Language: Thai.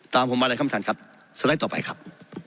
ตามผมมาเลยครับประธานครับสไลด์ต่อไปครับ